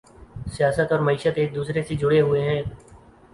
سیاست اور معیشت ایک دوسرے سے جڑے ہوئے ہیں۔